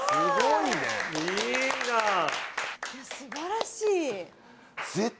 いやすばらしい！